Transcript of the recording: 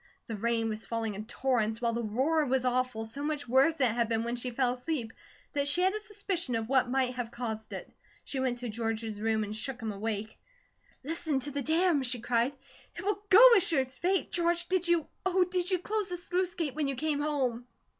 The rain was falling in torrents, while the roar was awful, so much worse than it had been when she fell asleep, that she had a suspicion of what might have caused it. She went to George's room and shook him awake. "Listen to the dam!" she cried. "It will go, as sure as fate. George, did you, Oh, did you, close the sluice gate when you came home?"